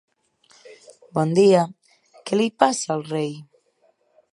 Bon dia, què li passa al rei?